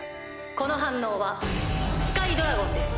この反応はスカイドラゴンです。